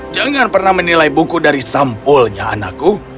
jangan pernah menilai buku dari sampulnya anakku